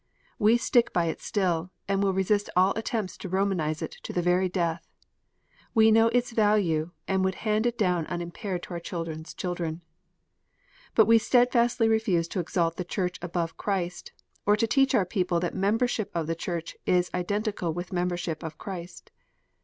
We stick by it still, and will resist all attempts to Romanize it to the very death ! We know its value, and would hand it down unimpaired to our children s children. But we steadily refuse to exalt the Church above Christ, or to teach our people that membership of the Church is ident ical with membership of Christ.